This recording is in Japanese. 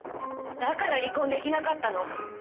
だから離婚出来なかったの。